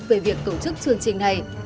về việc tổ chức chương trình này